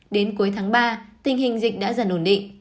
đến cuối tháng ba tình hình dịch đã dần ổn định